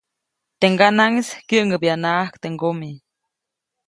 Teʼ ŋganaʼŋis kyäŋʼäbyanaʼajk teʼ ŋgomi.